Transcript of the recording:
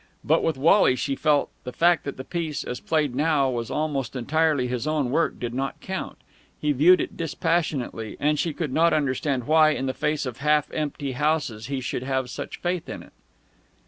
But with Wally, she felt, the fact that the piece, as played now, was almost entirely his own work did not count. He viewed it dispassionately, and she could not understand why, in the face of half empty houses, he should have such faith in it.